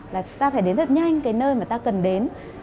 là chúng ta phải đến thật nhanh cái nơi mà ta cần đến